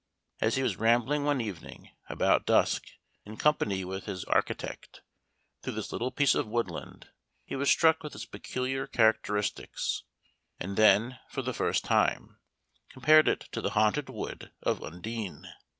As he was rambling one evening, about dusk, in company with his architect, through this little piece of woodland, he was struck with its peculiar characteristics, and then, for the first time, compared it to the haunted wood of Undine.